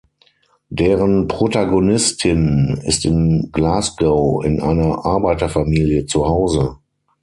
Deren Protagonistin ist in Glasgow in einer Arbeiterfamilie zuhause.